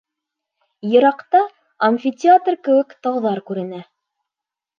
Йыраҡта, амфитеатр кеүек, тауҙар күренә.